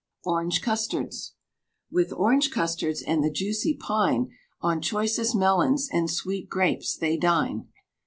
ORANGE CUSTARDS. With orange custards and the juicy pine, On choicest melons and sweet grapes they dine.